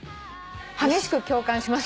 激しく共感します。